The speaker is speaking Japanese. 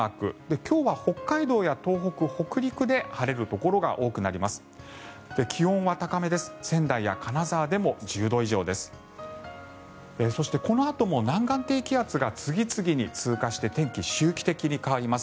今日は北海道や東北、北陸で晴れるところが多くなります。